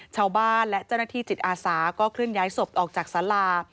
ชาวบ้านและเจ้าหน้าที่จิตอาสาก็เคลื่อนย้ายศพออกจากสารา